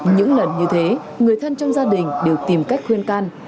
những lần như thế người thân trong gia đình đều tìm cách khuyên can